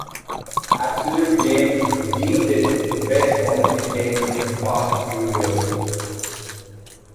Absolute Games deemed it the best domestic game in the past few years.